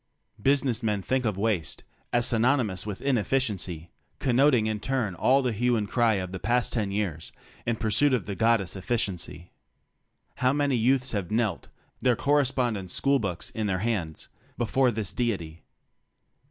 Business men think of waste as synonymous with "ineffi ciency," connoting in turn all the hue and cry of the past ten years in pursuit of the goddess efficiency. How many youths have knelt — their correspondence school books in their hands — before this deity.